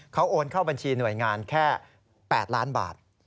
เขาโอนเข้าบัญชีหน่วยงานแค่๘ล้านบาท